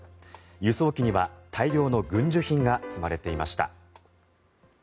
輸送機には大量の軍需品が積まれていました。